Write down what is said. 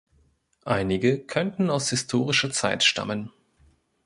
Einige könnten aus historischer Zeit stammen.